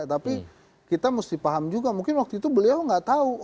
tapi kita mesti paham juga mungkin waktu itu beliau nggak tahu